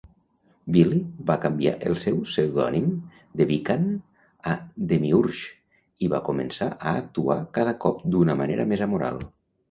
Billy va canviar el seu pseudònim de Wiccan a Demiurge, i va començar a actuar cada cop d'una manera més amoral.